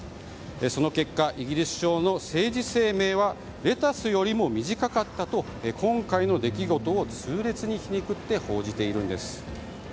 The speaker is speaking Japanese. その結果イギリス首相の政治生命はレタスよりも短かったと今回の出来事を痛烈に皮肉って報じているんです。